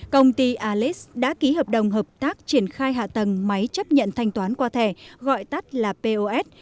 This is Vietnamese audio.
công ty aliex đã ký hợp đồng hợp tác triển khai hạ tầng máy chấp nhận thanh toán qua thẻ gọi tắt là pos